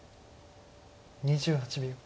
２８秒。